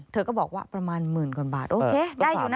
เธอก็บอกว่าประมาณหมื่นกว่าบาทโอเคได้อยู่นะ